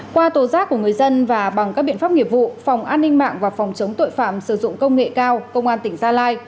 qua tố giác của người dân và bằng các biện pháp nghiệp vụ phòng an ninh mạng và phòng chống tội phạm sử dụng công nghệ cao công an tỉnh gia lai